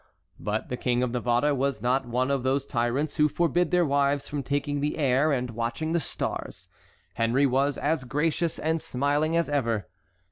But the King of Navarre was not one of those tyrants who forbid their wives from taking the air and watching the stars. Henry was as gracious and smiling as ever.